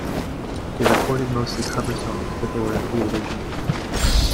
They recorded mostly cover songs, but there were a few originals.